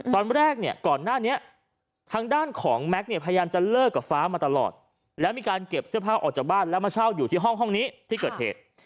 ตอนแรกเนี่ยก่อนหน้านี้ทางด้านของแม็กซ์เนี่ยพยายามจะเลิกกับฟ้ามาตลอดแล้วมีการเก็บเสื้อผ้าออกจากบ้านแล้วมาเช่าอยู่ที่ห้องนี้ที่เกิดเหตุ